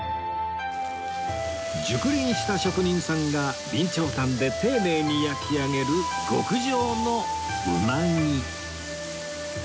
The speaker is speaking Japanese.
熟練した職人さんが備長炭で丁寧に焼き上げる極上のうなぎ